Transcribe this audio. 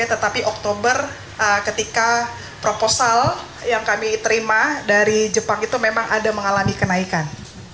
tetapi oktober ketika proposal yang kami terima dari jepang itu memang ada mengalami kenaikan